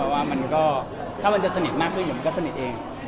ถ้ามันจะสนิทมากกว่าอื่นเราก็สนิทเอง